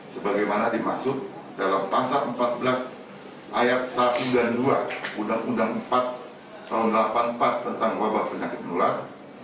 sebagaimana dimaksud dalam pasal empat belas ayat satu dan dua undang undang empat tahun seribu sembilan ratus delapan puluh empat tentang wabah penyakit menular